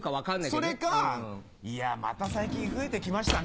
それか「いやまた最近増えてきましたね」。